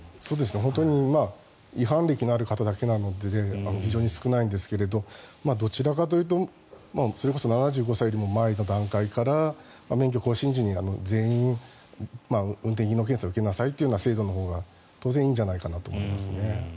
本当に違反歴のある方だけなので非常に少ないんですがどちらかというとそれこそ７５歳よりも前の段階から免許更新時に全員運転技能検査を受けなさいという制度のほうが当然いいんじゃないかなと思いますね。